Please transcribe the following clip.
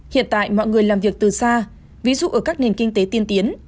hiện tại mọi người làm việc từ xa ví dụ ở các nền kinh tế tiên tiến